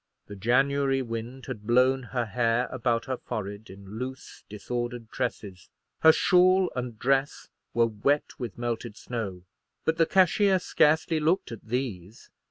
The January wind had blown her hair about her forehead in loose disordered tresses; her shawl and dress were wet with melted snow; but the cashier scarcely looked at these.